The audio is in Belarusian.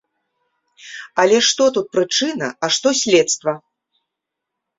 Але што тут прычына, а што следства?